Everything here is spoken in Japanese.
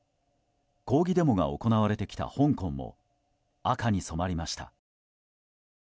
抗議デモが行われてきた香港も紅に染まりました。